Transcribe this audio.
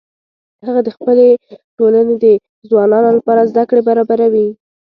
هغه د خپلې ټولنې د ځوانانو لپاره زده کړې برابروي